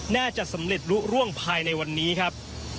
น่าจะสำเร็จลุร่วงภายในวันนี้ครับ